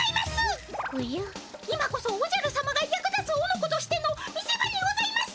今こそおじゃる様が役立つオノコとしての見せ場にございます！